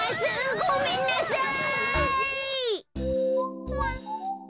ごめんなさい！